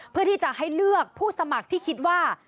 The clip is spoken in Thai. เพื่อที่จะให้เลือกผู้สมัครที่คิดว่า